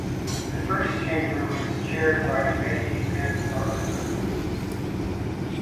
The first chamber was chaired by Mehdi Ben Barka.